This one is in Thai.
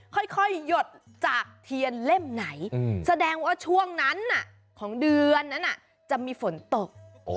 ค่อยหยดจากเทียนเล่มไหนแสดงว่าช่วงนั้นของเดือนนั้นจะมีฝนตก